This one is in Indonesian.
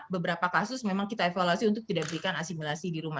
beberapa kasus memang kita evaluasi untuk tidak berikan asimilasi di rumah